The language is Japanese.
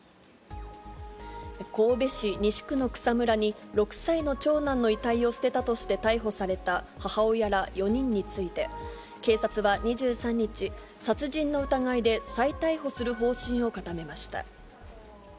神戸市西区の草むらに、６歳の長男の遺体を捨てたとして逮捕された母親ら４人について、警察は２３日、殺人の疑いで再逮捕する方針を固めました。